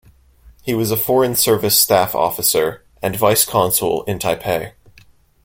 He was a Foreign Service Staff Officer and Vice-Consul in Taipei.